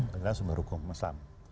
dan sumber hukum islam